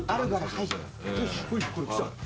はい。